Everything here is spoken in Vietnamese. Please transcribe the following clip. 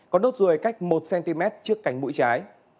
có nốt rùi cách một cm trước cánh mũi trái